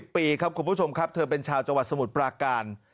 ปีครับคุณผู้ชมครับเธอเป็นชาวจังหวัดสมุทรปราการ